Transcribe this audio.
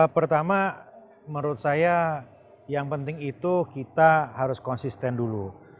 pertama menurut saya yang penting itu kita harus konsisten dulu